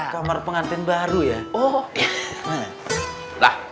kamar pengantin baru ya